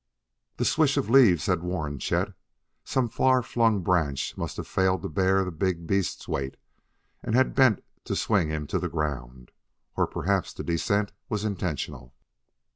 The swish of leaves had warned Chet; some far flung branch must have failed to bear the big beast's weight and had bent to swing him to the ground or perhaps the descent was intentional.